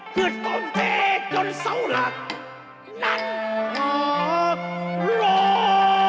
เผื่อต้องเจ๊จนเศร้าหลักนัดหักร้อง